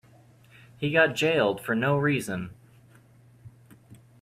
He got jailed for no reason.